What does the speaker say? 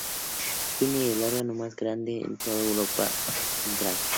Tiene el órgano más grande de toda Europa Central.